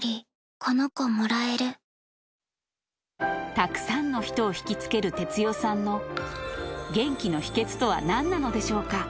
たくさんの人を引き付ける哲代さんの、元気の秘けつとはなんなのでしょうか。